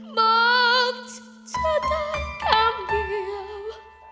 บอกฉันทั้งคำเดียว